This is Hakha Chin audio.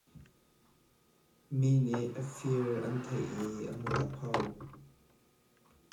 Mi nih a fir an theih i a mual a pho.